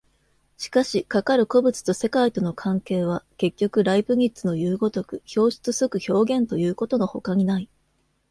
しかしかかる個物と世界との関係は、結局ライプニッツのいう如く表出即表現ということのほかにない。